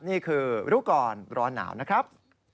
นี่คือรู้ก่อนร้อนหนาวนะครับ